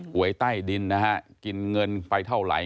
หวยใต้ดินนะฮะกินเงินไปเท่าไหร่